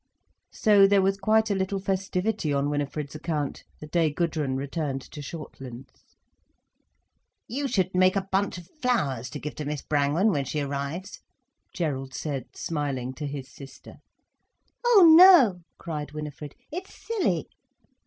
So there was quite a little festivity on Winifred's account, the day Gudrun returned to Shortlands. "You should make a bunch of flowers to give to Miss Brangwen when she arrives," Gerald said smiling to his sister. "Oh no," cried Winifred, "it's silly."